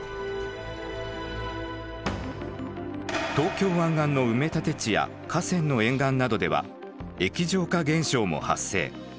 東京湾岸の埋立地や河川の沿岸などでは液状化現象も発生。